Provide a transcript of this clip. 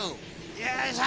よいしょ！